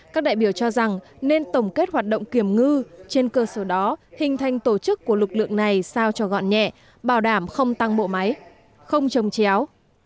các đại biểu cho rằng nên tổng kết hoạt động kiểm ngư trên cơ sở đó hình thành tổ chức của lực lượng này sao cho gọn nhẹ bảo đảm không tăng bộ máy không trồng chéo